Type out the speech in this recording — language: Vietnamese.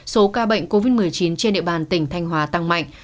số ca bệnh covid một mươi chín trên địa bàn tỉnh thanh hóa tăng mạnh